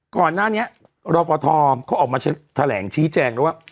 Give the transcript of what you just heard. ก่อนหน้านี้รอฟทเขาออกมาแถลงชี้แจงแล้วว่า